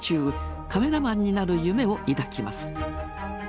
カメラマンになる夢を抱きます。